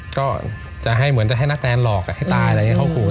ก็จะเหมือนให้นักแจนหลอกให้ตายอะไรอย่างนี้เขาฝูก